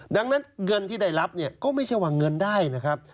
ดังนั้นเงินที่ได้รับเนี่ยก็ไม่ใช่ว่าเงินได้นะครับ